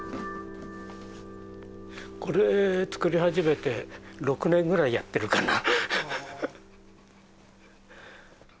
これ作り始めて６年ぐらいやってるかな。